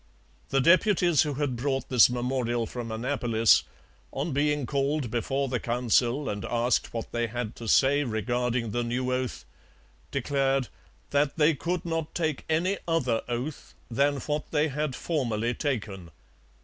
The deputies who had brought this memorial from Annapolis, on being called before the Council and asked what they had to say regarding the new oath, declared 'that they could not take any other oath than what they had formerly taken.'